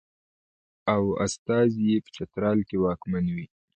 او استازی یې په چترال کې واکمن وي.